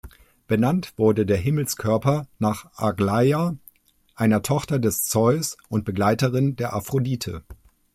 Benannt wurde der Himmelskörper nach Aglaia, einer Tochter des Zeus und Begleiterin der Aphrodite.